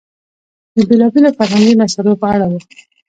د بېلابېلو فرهنګي مسئلو په اړه و.